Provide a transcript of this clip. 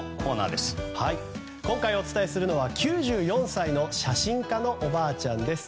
今回お伝えするのは９４歳の写真家のおばあちゃんです。